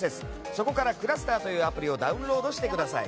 そこからｃｌｕｓｔｅｒというアプリをダウンロードしてください。